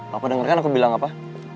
papa dengarkan aku bilang apa